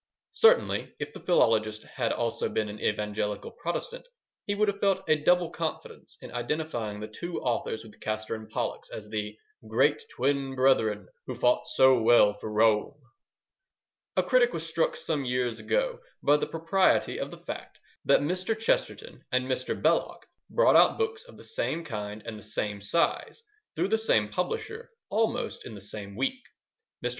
Certainly, if the philologist had also been an evangelical Protestant, he would have felt a double confidence in identifying the two authors with Castor and Pollux as the Great Twin Brethren, Who fought so well for Rome. A critic was struck some years ago by the propriety of the fact that Mr. Chesterton and Mr. Belloc brought out books of the same kind and the same size, through the same publisher, almost in the same week. Mr.